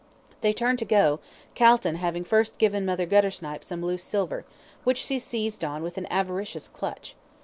They turned to go, Calton having first given Mother Guttersnipe some loose silver, which she seized on with an avaricious clutch.